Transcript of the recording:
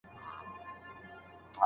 استاد وویل چي هغه د څېړني لارښوونه کوي.